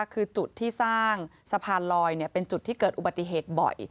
คือจุดที่สร้างสะพานลอยเป็นจุดที่เกิดอุบัติเหตุบ่อย